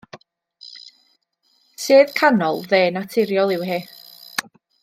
Sedd canol dde naturiol yw hi.